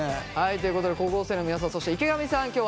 はいということで高校生の皆さんそして池上さん